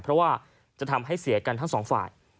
เพราะว่าจะทำให้เสียกันทั้งสองฝ่าย